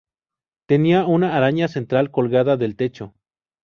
Tenía una araña central colgada del techo.